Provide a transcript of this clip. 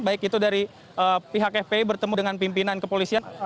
baik itu dari pihak fpi bertemu dengan pimpinan kepolisian